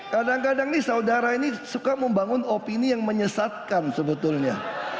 kadang kadang nih saudara ini suka membangun opini yang menyesatkan sebetulnya